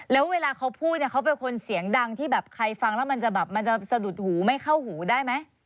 แล้วเวลาเขาพูดเนี่ยเขาเป็นคนเสียงดังที่แบบใครฟังแล้วมันจะแบบมันจะสะดุดหูไม่เข้าหูได้ไหม